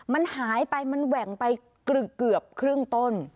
มันหายไปมันแหว่งไปเกือบครึ่งต้น